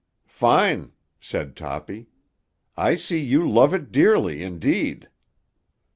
"Fine," said Toppy. "I see you love it dearly, indeed."